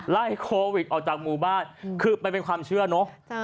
ไล่โควิดออกจากหมู่บ้านคือมันเป็นความเชื่อเนอะ